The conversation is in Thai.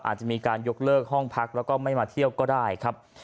อาจจะมีการยกเลิกห้องพักแล้วก็ไม่มาเที่ยวก็ได้ครับ